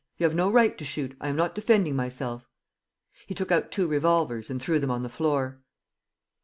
You have no right to shoot. I am not defending myself." He took out two revolvers and threw them on the floor.